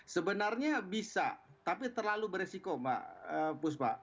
sebenarnya bisa tapi terlalu beresiko mbak puspa